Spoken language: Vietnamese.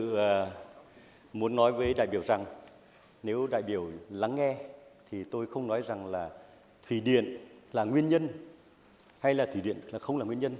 tôi muốn nói với đại biểu rằng nếu đại biểu lắng nghe thì tôi không nói rằng là thủy điện là nguyên nhân hay là thủy điện là không là nguyên nhân